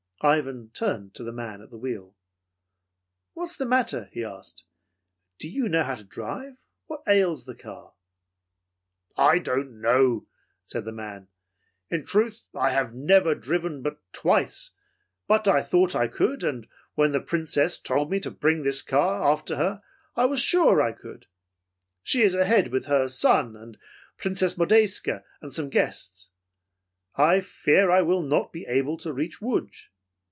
Ivan turned to the man at the wheel. "What's the matter?" he asked. "Do you know how to drive? What ails the car?" "I don't know," said the man. "In truth I have never driven but twice, but I thought I could and when the Princess told me to bring this car after her I was sure I could. She is ahead with her son and Princess Modjeska and some guests. I fear I will not be able to reach Lodz."